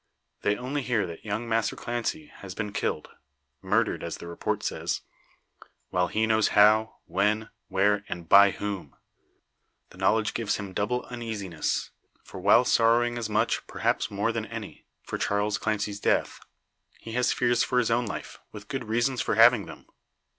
They only hear that young Massr Clancy has been killed murdered, as the report says while he knows how, when, where, and by whom. The knowledge gives him double uneasiness; for while sorrowing as much, perhaps more than any, for Charles Clancy's death, he has fears for his own life, with good reasons for having them.